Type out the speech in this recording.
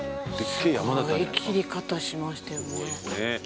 すごい切り方しましたよね。